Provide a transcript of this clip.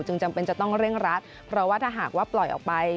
จำเป็นจะต้องเร่งรัดเพราะว่าถ้าหากว่าปล่อยออกไป